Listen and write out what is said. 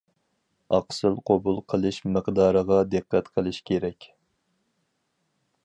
ئاقسىل قوبۇل قىلىش مىقدارىغا دىققەت قىلىش كېرەك.